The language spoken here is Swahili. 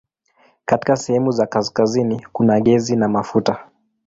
Katika sehemu za kaskazini kuna gesi na mafuta.